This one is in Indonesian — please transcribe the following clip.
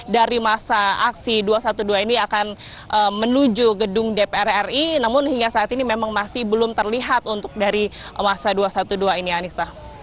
dari masa aksi dua ratus dua belas ini akan menuju gedung dpr ri namun hingga saat ini memang masih belum terlihat untuk dari masa dua ratus dua belas ini anissa